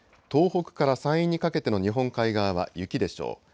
東北から山陰にかけての日本海側は雪でしょう。